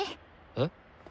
えっ？